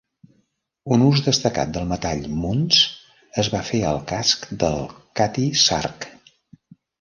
Un ús destacat del metall Muntz es va fer al casc del Cutty Sark.